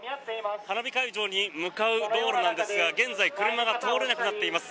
花火会場に向かう道路なんですが現在、車が通れなくなっています。